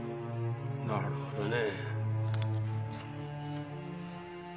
なるほどね。